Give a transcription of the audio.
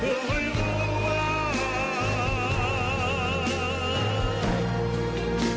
เพื่อให้รู้ว่า